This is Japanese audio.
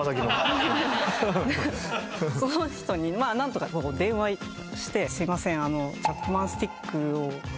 その人になんとか電話して「すいません」。